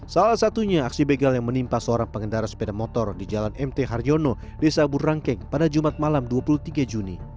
salah satunya aksi begal yang menimpa seorang pengendara sepeda motor di jalan mt haryono desa burangkeng pada jumat malam dua puluh tiga juni